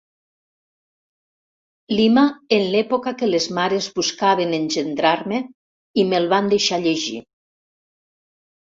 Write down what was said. Lima en l'època que les mares buscaven engendrar-me, i me'l van deixar llegir.